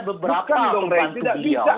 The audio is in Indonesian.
beberapa pembantu dia